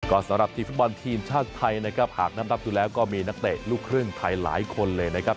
ก็สำหรับทีมฟุตบอลทีมชาติไทยนะครับหากนับดูแล้วก็มีนักเตะลูกครึ่งไทยหลายคนเลยนะครับ